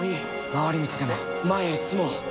回り道でも前へ進もう。